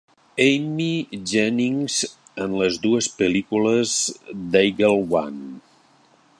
Amy Jennings en les dues pel·lícules d'"Eagle One".